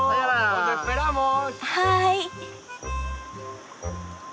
はい。